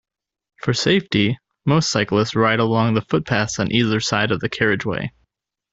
For safety, most cyclists ride along the footpaths on either side of the carriageway.